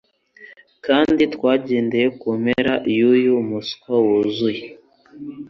kandi twagendeye kumpera yuyu muswa wuzuye